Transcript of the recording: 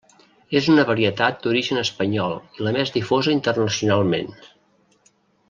És una varietat d'origen espanyol i la més difosa internacionalment.